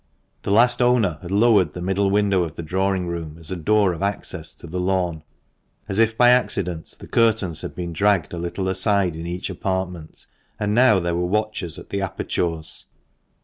The last owner had lowered the middle window of the drawing room as a door of access to the lawn. As if by accident the curtains had been dragged a little aside in each apartment, and now there were watchers at the apertures.